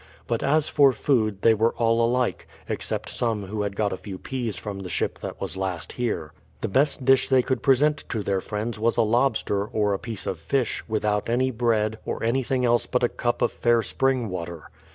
But as for food, they were all alike, except some who had got a few peas from the ship that was last here. The best dish they could present to their friends was a lobster, or a piece of fish, without any bread, or anything else but a cup of fair spring water.